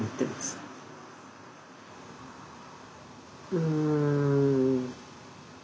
うん。